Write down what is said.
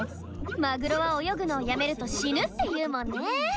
マグロは泳ぐのをやめると死ぬっていうもんね。